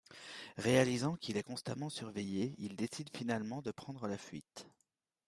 Réalisant qu'il est constamment surveillé, il décide finalement de prendre la fuite.